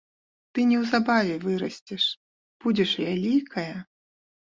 Ты неўзабаве вырасцеш, будзеш вялікая.